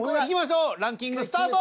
ランキングスタート！